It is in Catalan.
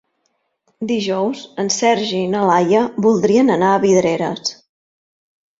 Dijous en Sergi i na Laia voldrien anar a Vidreres.